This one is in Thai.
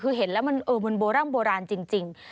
คือเห็นแล้วมันมนต์โบราณจริง